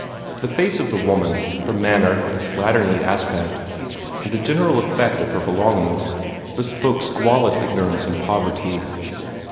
The face of the woman, her manner and slatternly aspect, and the general effect of her belongings, bespoke squalid ignorance and poverty.